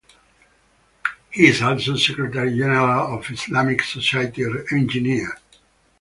He is also secretary general of Islamic Society of Engineers.